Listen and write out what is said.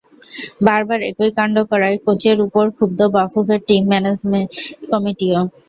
বারবার একই কাণ্ড করায় কোচের ওপর ক্ষুব্ধ বাফুফের টিম ম্যানেজমেন্ট কমিটিও।